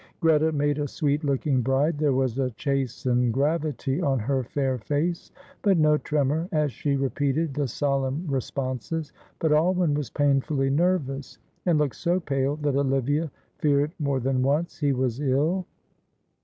Greta made a sweet looking bride, there was a chastened gravity on her fair face, but no tremor as she repeated the solemn responses, but Alwyn was painfully nervous, and looked so pale, that Olivia feared more than once he was ill.